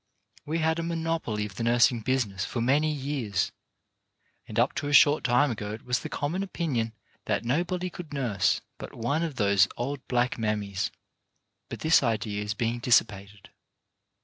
We had a monopoly of the nursing business for many years, and up to a short time ago it was the common opinion that nobody could nurse but one of those old black mammies. But this idea is being dissipated.